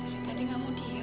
tadi tadi gak mau diem